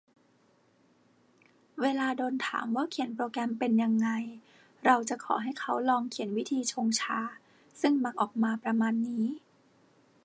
เวลาโดนถามว่าเขียนโปรแกรมเป็นยังไง เราจะขอให้เขาลองเขียนวิธีชงชา ซึ่งมักออกมาประมาณนี้